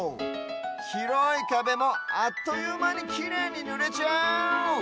ひろいかべもあっというまにきれいにぬれちゃう！